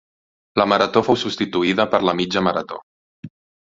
La marató fou substituïda per la mitja marató.